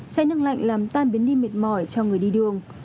cháy nước lạnh làm tan biến đi mệt mỏi cho người đi đường